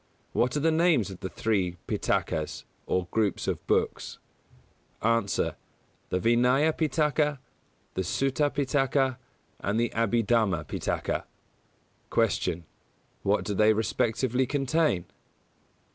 What are the names of the three Pitakas, or groups of books? A. The Vinaya Pitaka, the Sutta Pitaka and the Abhidhamma Pitaka. 163. Q. _What do they respectively contain?